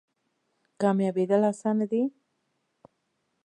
کامیابیدل اسانه دی؟